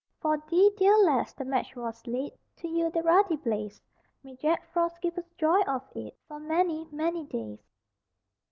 For thee, dear lass, the match was lit To yield the ruddy blaze May Jack Frost give us joy of it For many, many days.